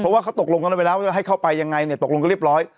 เพราะว่าเขาตกลงกันไปแล้วว่าจะให้เข้าไปยังไงเนี่ยตกลงกันเรียบร้อย